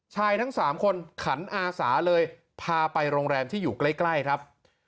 ทั้ง๓คนขันอาสาเลยพาไปโรงแรมที่อยู่ใกล้ครับ